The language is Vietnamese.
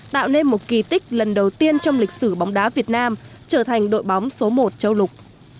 tạo nên một kỳ tích lần đầu tiên trong lịch sử bóng đá việt nam trở thành đội bóng số một châu lục